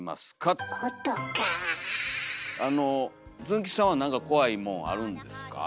ズン吉さんは何か怖いもんあるんですか？